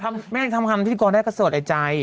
ไม่งั้นทำคำที่กอได้ก็สวดในใจ